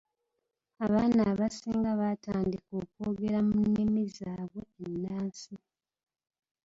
Abaana abasinga batandika okwogera mu nnimi zaabwe ennansi.